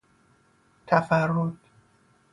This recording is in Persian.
تفرد